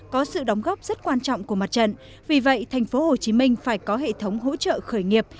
có sự đóng góp rất quan trọng của mặt trận vì vậy tp hcm phải có hệ thống hỗ trợ khởi nghiệp